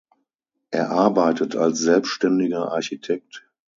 Er arbeitet als selbstständiger Architekt.